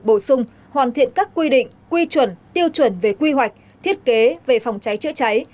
bổ sung hoàn thiện các quy định quy chuẩn tiêu chuẩn về quy hoạch thiết kế về phòng cháy chữa cháy